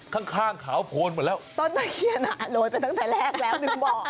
ข้างข้างขาวโพนหมดแล้วต้นตะเคียนอ่ะโรยไปตั้งแต่แรกแล้วหนึ่งบ่อ